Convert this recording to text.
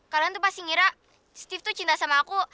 kalian tuh pasti ngira steve tuh cinta sama aku